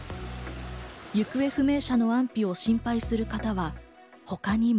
行方不明者の安否を心配する方は他にも。